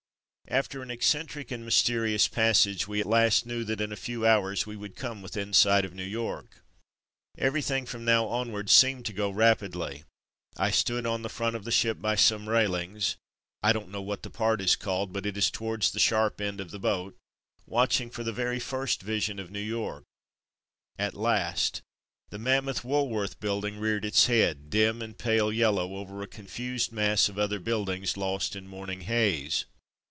After an eccentric and mysterious passage we at last knew that in a few hours we would come within sight of New York. Everything from now onwards seemed to go rapidly. I stood on the front of the ship by some railings (I don't know what the part is called, but it is towards the sharp end of the boat) watching for the first vision of New York. At last ! The mammoth Wool worth building reared its head, dim and pale yellow, over a confused mass of other build ings, lost in morning haze.